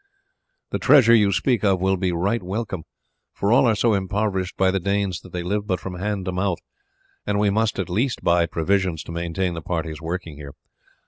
The treasure you speak of will be right welcome, for all are so impoverished by the Danes that they live but from hand to mouth, and we must at least buy provisions to maintain the parties working here.